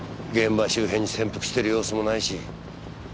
現場周辺に潜伏してる様子もないし。